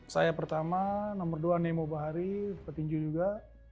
saya pertama nomor dua nemo bahari petinju juga